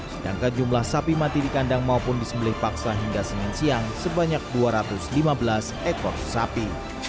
sedangkan jumlah sapi mati di kandang maupun disembelih paksa hingga senin siang sebanyak dua ratus lima belas ekor sapi